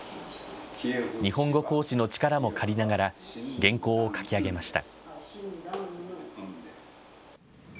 日本語講師の力も借りながら、原稿を書き上げました。